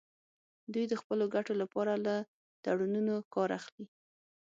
دوی د خپلو ګټو لپاره له تړونونو کار اخلي